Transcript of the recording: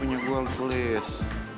ini gue yang tulis